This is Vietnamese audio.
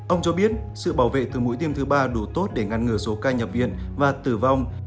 ông cho biết sự bảo vệ từ mũi tiêm thứ ba đủ tốt để ngăn ngừa số ca nhập viện và tử vong